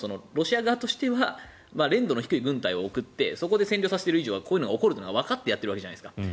ロシア側としては練度の低い軍隊を送ってそこで占領されている以上こういうことが起こるとわかってやっているわけじゃないですか。